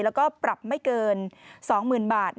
แล้วก็ปรับไม่เกิน๒๐๐๐บาท